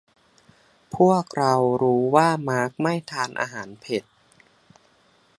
พวกเรารู้ว่ามาร์คไม่ทานอาหารเผ็ด